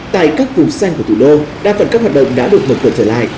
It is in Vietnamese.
tại các vùng xanh của thủ đô đa phần các hoạt động đã được mở cửa trở lại